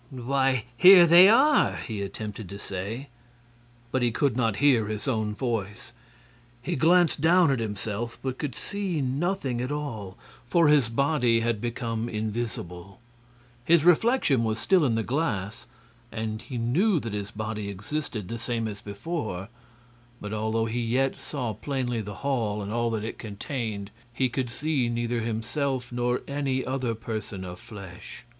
"Why, here they are!" he attempted to say; but he could not hear his own voice. He glanced down at himself but could see nothing at all for his body had become invisible. His reflection was still in the glass, and he knew that his body existed the same as before; but although he yet saw plainly the hall and all that it contained, he could see neither himself nor any other person of flesh.